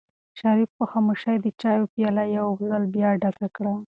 شریف په خاموشۍ کې د چایو پیاله یو ځل بیا ډکه کړه.